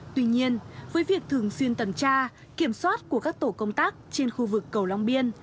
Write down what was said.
tuy nhiên với việc thường xuyên tuần tra kiểm soát của các tổ công tác trên khu vực cầu long biên